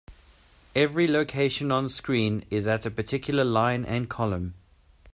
Every location onscreen is at a particular line and column.